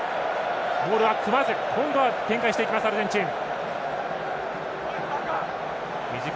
モールは組まず展開していきます、アルゼンチン。